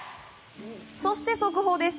そして、速報です。